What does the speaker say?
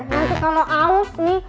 nanti kalau haus nih